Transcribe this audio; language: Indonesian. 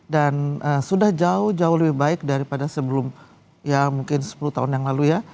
dan sudah jauh jauh lebih baik daripada sebelum ya mungkin sepuluh tahun yang lalu ya